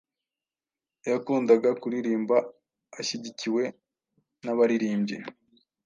yakundaga kuririmba ashyigikiwe n’abaririmbyi